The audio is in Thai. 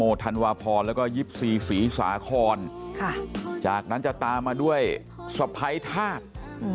ธันวาพรแล้วก็๒๔ศรีสาครจากนั้นจะตามมาด้วยสะพ้ายธาตุ